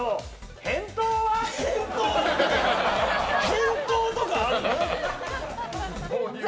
返答とかあるの？